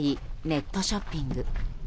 ネットショッピング。